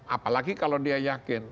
apalagi kalau dia yakin